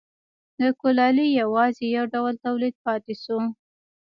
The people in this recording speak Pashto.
د کولالۍ یوازې یو ډول تولید پاتې شو.